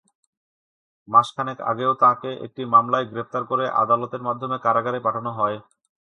মাসখানেক আগেও তাঁকে একটি মামলায় গ্রেপ্তার করে আদালতের মাধ্যমে কারাগারে পাঠানো হয়।